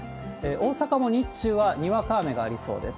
大阪も日中はにわか雨がありそうです。